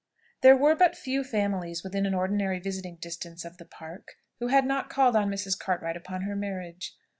There were but few families within an ordinary visiting distance of the Park who had not called on Mrs. Cartwright upon her marriage.